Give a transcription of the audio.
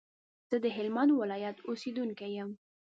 زه د هلمند ولايت اوسېدونکی يم